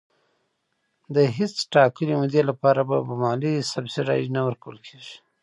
د هیڅ ټاکلي مودې لپاره به مالي سبسایډي نه ورکول کېږي.